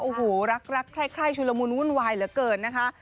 อูหูรักไข้ชุลมูลวุ่นวายเหลือเกินนะคะ